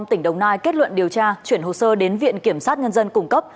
tỉnh đồng nai kết luận điều tra chuyển hồ sơ đến viện kiểm sát nhân dân cung cấp